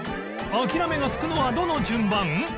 諦めがつくのはどの順番？